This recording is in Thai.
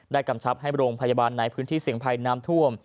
กำชับให้โรงพยาบาลในพื้นที่เสี่ยงภัยน้ำท่วม